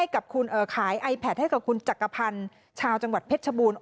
กับคุณขายไอแพทให้กับคุณจักรพันธ์ชาวจังหวัดเพชรชบูรณ์